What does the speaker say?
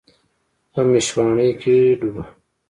په میشواڼۍ کې ډوبه